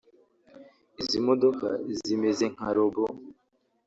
Izi modoka zimeze nka robo